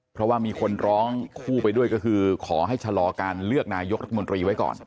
เพราะว่ามีคนร้องคู่ไปด้วยก็คือขอให้ชะลอการเลือกนายกรัฐมนตรีไว้ก่อน